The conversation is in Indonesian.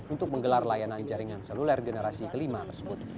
untuk menggelar layanan jaringan seluler generasi kelima tersebut